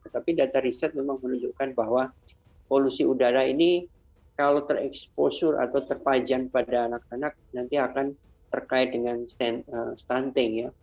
tapi data riset memang menunjukkan bahwa polusi udara ini kalau tereksposur atau terpajan pada anak anak nanti akan terkait dengan stunting ya